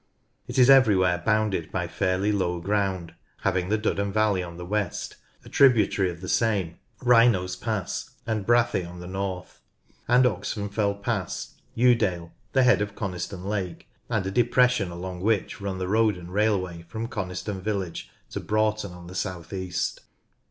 It is everywhere bounded by fairly low ground, having the Duddon valley on the west ; a tributary of SURFACE AND GENERAL FEATURES 35 the same, Wrynose Pass, and the Brathay on the north ; and Oxenfell Pass, Yewdale, the head of Coniston Lake, and a depression along which run the road and railway from Coniston village to Broughton on the south east.